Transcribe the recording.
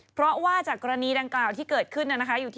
เพราะว่าจากกรณีดังกล่าวที่เกิดขึ้นนะอยู่ที่